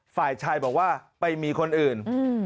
ฝ่ายชายบอกว่าไปมีคนอื่น